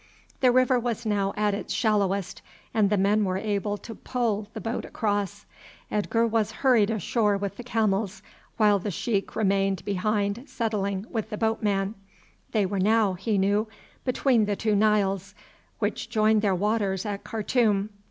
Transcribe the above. The river was now at its shallowest, and the men were able to pole the boat across. Edgar was hurried ashore with the camels, while the sheik remained behind settling with the boatman. They were now, he knew, between the two Niles, which joined their waters at Khartoum.